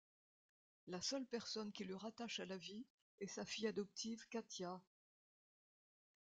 La seule personne qui le rattache à la vie est sa fille adoptive Katia.